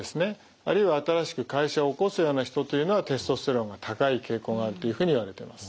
あるいは新しく会社を興すような人というのはテストステロンが高い傾向があるというふうにいわれてます。